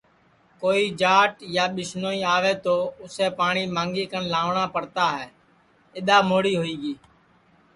کوئی جاٹ یا ٻِسنوئی آوے تو اُسسے پاٹؔی مانگی کن لاوٹؔا پڑتا ہے اِدؔا مھوڑی ہوئی گی